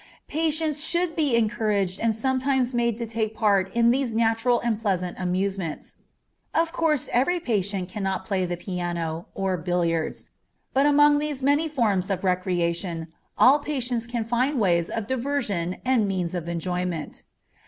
Patients should be encouraged and sometimes made to take part in these natural and pleasant amusements; of course every patient cannot play the piano, or billiards, but among these many forms of recreation, all patients can find ways of diversion and means of enjoyment.